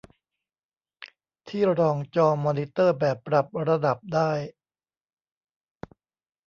ที่รองจอมอนิเตอร์แบบปรับระดับได้